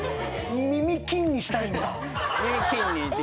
耳金にしたいんだ。